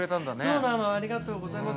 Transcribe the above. そうなのありがとうございます。